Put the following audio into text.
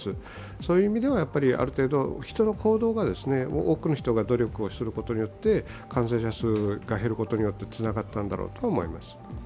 そういう意味では、ある程度、人の行動が多くの人が努力することによって感染者数が減ることにつながったんだろうと思います。